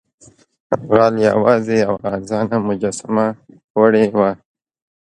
غل یوازې یوه ارزانه مجسمه وړې وه.